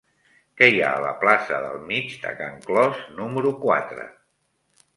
Què hi ha a la plaça del Mig de Can Clos número quatre?